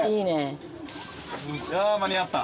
間に合った。